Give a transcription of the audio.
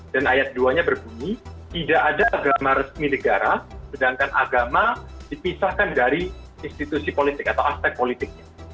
dan ayat dua nya berbunyi tidak ada agama resmi negara sedangkan agama dipisahkan dari institusi politik atau aspek politiknya